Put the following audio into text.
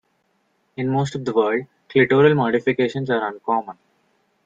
In most of the world, clitoral modifications are uncommon.